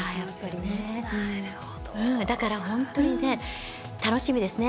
だから本当に楽しみですね。